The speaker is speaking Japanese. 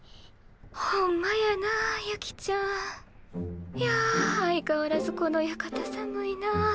ほんまやなあユキちゃん。や相変わらずこの屋形寒いなあ。